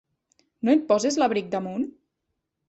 No et poses l'abric damunt?